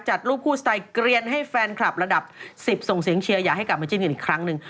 จัดรูปคู่สไตล์เกลียนให้แฟนคลับระดับ๑๐ส่งเสียงเชียร์อยากให้กลับมาจิ้นกันอีกครั้งหนึ่ง